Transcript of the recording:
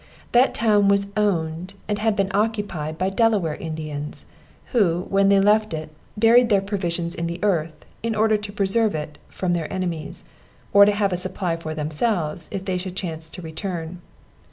That town was owned and had been occupied by Delaware Indians, who, when they left it, buried their provision in the earth, in order to preserve it from their enemies, or to have a supply for themselves if they should chance to return.